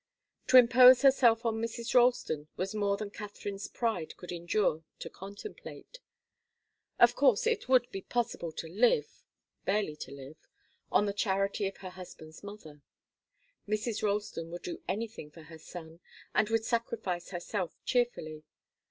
To impose herself on Mrs. Ralston was more than Katharine's pride could endure to contemplate. Of course, it would be possible to live barely to live on the charity of her husband's mother. Mrs. Ralston would do anything for her son, and would sacrifice herself cheerfully.